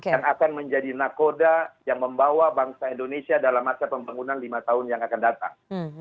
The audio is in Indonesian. yang akan menjadi nakoda yang membawa bangsa indonesia dalam masa pembangunan lima tahun yang akan datang